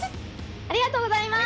ありがとうございます！